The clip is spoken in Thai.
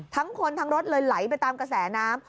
ทั้งคนทั้งรถเลยไหลไปตามกระแสน้ำ